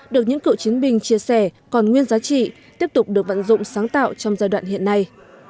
được những cựu chiến binh chia sẻ còn nguyên giá trị tiếp tục được vận dụng sáng tạo trong giai đoạn hiện nay